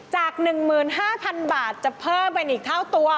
จาก๑๕๐๐๐บาทจะเพิ่มเป็นอีกเท่าตัว